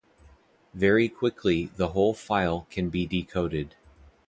Very quickly the whole file can be decoded.